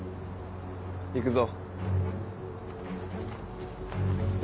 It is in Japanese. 行くぞ。